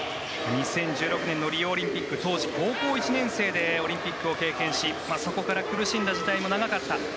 ２０１６年のリオオリンピックは当時、高校１年生でオリンピックを経験しそこから苦しんだ時代も長かった。